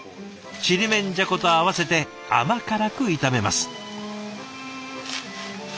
ちりめんじゃこと合わせて甘辛く炒めます。